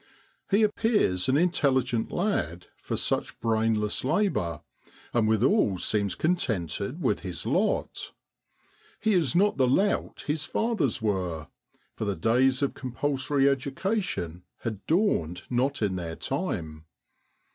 He appears an intelligent lad for such brainless labour, and withal seems contented with his lot. He is not the lout his fathers were, for the days of com pulsory education had dawned not in their time.